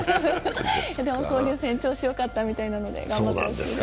でも、調子よかったみたいなので頑張ってほしいです。